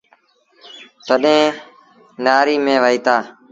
تڏهيݩ نآري ميݩ وهيٚتآ۔